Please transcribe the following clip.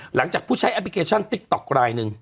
หลังจากผู้ใช้ลายหนึ่ง